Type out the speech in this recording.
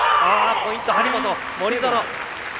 ポイント、張本、森薗。